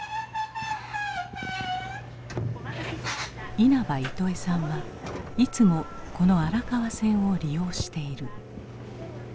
稲葉イトエさんはいつもこの荒川線を利用している。